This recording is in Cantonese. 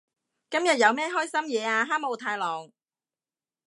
今日有咩開心嘢啊哈姆太郎？